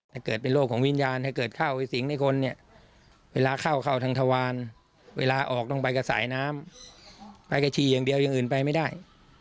ถ้าเกิดเป็นโรคของวิญญาณถ้าเกิดเข้าไปสิงในคนเนี่ยเวลาเข้าเข้าทางทวารเวลาออกต้องไปกับสายน้ำไปกับฉี่อย่างเดียวอย่างอื่นไปไม่ได้